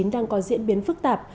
đang có diễn biến phức tạp